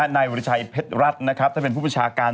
นายวัตกิจภรรถถ้าเป็นผู้บุญชาการ